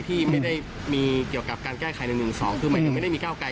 ที่ไม่ได้มีเกี่ยวกับการแก้ไข๑๑๒ไม่ได้มีกล้าวไกล